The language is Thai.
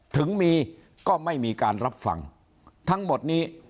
ถึงมีก็ไม่มีการรับฟังทั้งหมดนี้